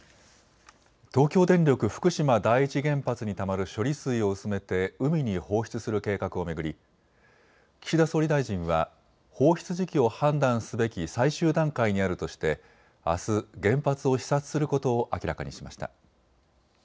東京電力福島第一原発にたまる処理水を薄めて海に放出する計画を巡り岸田総理大臣は放出時期を判断すべき最終段階にあるとしてあす原発を視察することを明らかにしました。